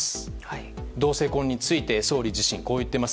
同性婚について総理自身、こう言っています。